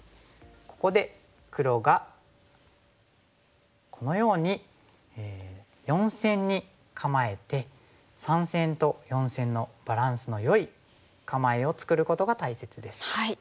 ここで黒がこのように４線に構えて３線と４線のバランスのよい構えを作ることが大切です。